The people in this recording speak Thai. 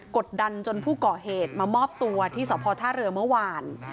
กดดันจนผู้ก่อเหตุมามอบตัวที่สพท่าเรือเมื่อวาน